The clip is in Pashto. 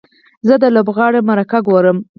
زه د لوبغاړو مرکه ګورم.